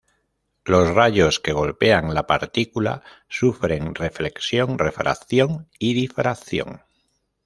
Los rayos que golpean la partícula sufren reflexión, refracción y difracción.